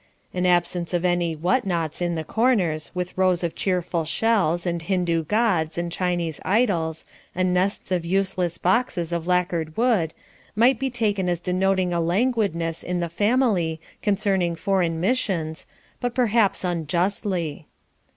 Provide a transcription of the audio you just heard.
An absence of any "what pots" in the corners with rows of cheerful shells, and Hindoo gods, and Chinese idols, and nests of useless boxes of lacquered wood, might be taken as denoting a languidness in the family concerning foreign missions, but perhaps unjustly.